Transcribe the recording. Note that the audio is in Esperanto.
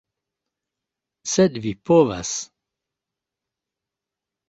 Sed vi povas...